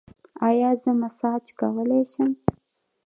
ایا زه مساج کولی شم؟